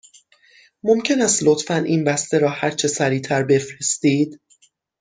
ممکن است لطفاً این بسته را هرچه سریع تر بفرستید؟